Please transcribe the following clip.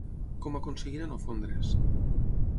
Com aconseguirà no fondre’s?